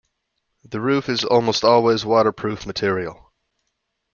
The roof is almost always waterproof material.